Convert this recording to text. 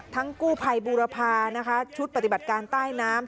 กู้ภัยบูรพานะคะชุดปฏิบัติการใต้น้ำ